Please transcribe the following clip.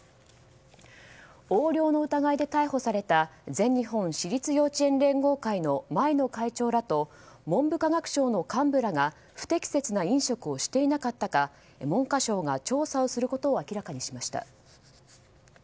横領の疑いで逮捕された全日本私立幼稚園連合会の前の会長らと文部科学省の幹部らが不適切な飲食をしていなかったか文科省が調査をすることを明らかにしました。